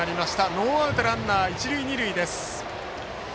ノーアウトランナー、一塁二塁。